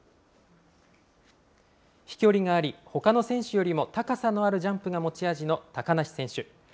飛距離があり、ほかの選手よりも高さのあるジャンプが持ち味の高梨選手。